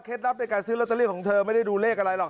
ลับในการซื้อลอตเตอรี่ของเธอไม่ได้ดูเลขอะไรหรอก